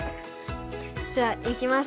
じゃあいきます。